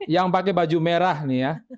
yang pakai baju merah nih ya